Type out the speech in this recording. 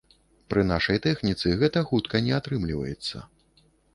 Пры нашай тэхніцы гэта хутка не атрымліваецца.